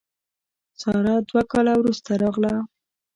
ساره دوه کاله وروسته راغله.